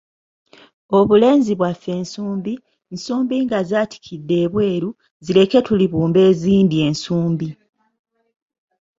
Obulenzi bwaffe nsumbi, nsumbi nga zaatikidde ebweru, zireke tulibumba ezindi ensumbi.